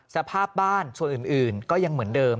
สภาพบ้านส่วนอื่นก็ยังเหมือนเดิม